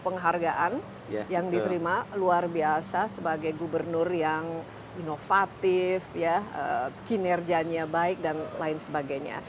penghargaan yang diterima luar biasa sebagai gubernur yang inovatif kinerjanya baik dan lain sebagainya